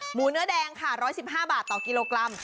หมูเนื้อแดงะภาค๑พิกษา๑๑๕บาทต่อกิโลกรัม